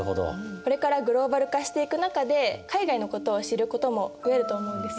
これからグローバル化していく中で海外のことを知ることも増えると思うんですよ。